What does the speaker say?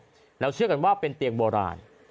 เราเชื่อกันเป็นเตียงโบราณ